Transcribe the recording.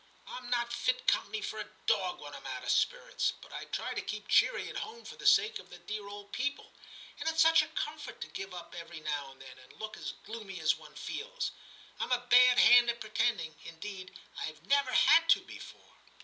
* Tm not fit com pany for a dog when Tm out o' spirits, but I try to keep cheery at home for the sake of the dear old people ; and it's such a comfort to give up every now and then, and look as gloomy as one feels. Tm a bad hand at pre tending; indeed, Tve never had to before.'